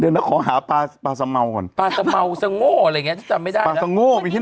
เดี๋ยวนะขอหาปลาสะเมาวง่อน